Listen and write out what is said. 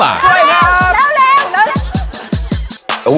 แล้วเร็ว